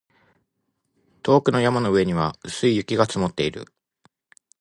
遠くの山の上には薄い雪が積もっている